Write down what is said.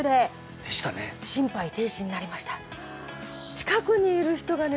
近くにいる人がね